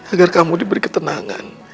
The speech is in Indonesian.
agar kamu diberi ketenangan